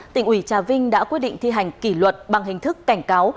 tỉnh ủy trà vinh đã quyết định thi hành kỷ luật bằng hình thức cảnh cáo